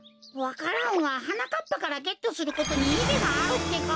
わか蘭ははなかっぱからゲットすることにいぎがあるってか。